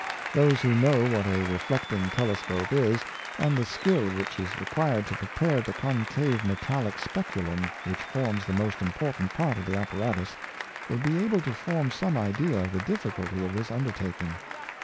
Those who know what a reflecting telescope is, and the skill which is re quired to prepare the concave metallic speculum which forms the most irnportant part of the apparatus, will be able to form some idea of the difficulty of this under taking.